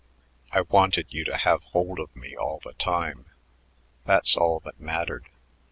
I wanted you to have hold of me all the time. That's all that mattered.